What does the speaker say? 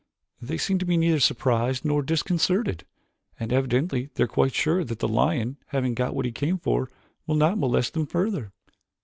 "They seem to be neither surprised nor disconcerted, and evidently they are quite sure that the lion, having got what he came for, will not molest them further."